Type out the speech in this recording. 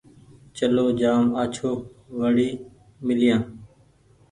چلو جآم آڇو وري ميليآن ۔